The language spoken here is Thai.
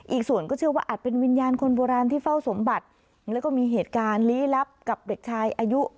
อีกส่วนก็เชื่อว่าอาจเป็นวิญญาณคนโบราณที่เฝ้าสมบัติแล้วก็มีเหตุการณ์ลี้ลับกับเด็กชายอายุ